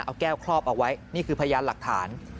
เอาแก้วครอบเอาไว้นี่คือพยานหลักฐาน